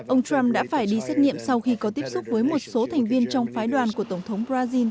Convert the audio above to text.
ông trump đã phải đi xét nghiệm sau khi có tiếp xúc với một số thành viên trong phái đoàn của tổng thống brazil